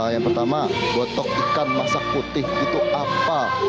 yang pertama botok ikan masak putih itu apa